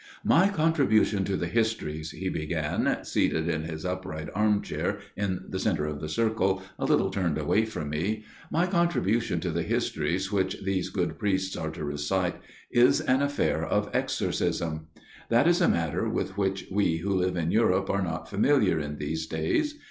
" My contribution to the histories," he began, seated in his upright arm chair in the centre of the circle, a little turned away from me " My contribution to the histories which these good priests are to recite, is an affair of exorcism. That is a matter with which we who live in Europe are not familiar in these days.